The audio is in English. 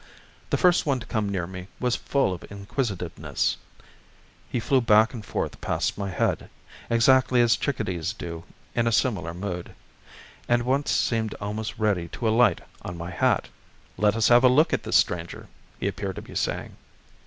The first one to come near me was full of inquisitiveness; he flew back and forth past my head, exactly as chickadees do in a similar mood, and once seemed almost ready to alight on my hat. "Let us have a look at this stranger," he appeared to be saying.